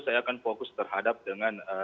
saya akan fokus terhadap dengan